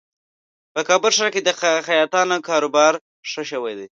په کابل ښار کې د خیاطانو کاروبار ښه شوی دی